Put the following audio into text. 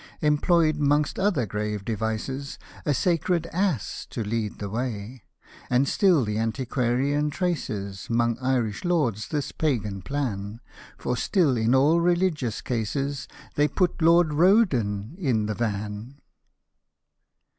Employed, 'mong other grave devices, A Sacred Ass to lead the way ; And still the antiquarian traces ^Mong Irish Lords this Pagan plan, For still, in all religious cases, They put Lord R — d — n in the van.